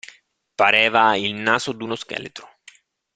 Pareva il naso d'uno scheletro.